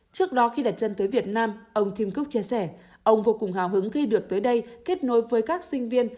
trước đó khi đặt chân tới việt nam ông kim cúc chia sẻ ông vô cùng hào hứng khi được tới đây kết nối với các sinh viên